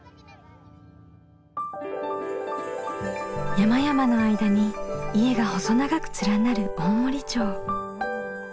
山々の間に家が細長く連なる大森町。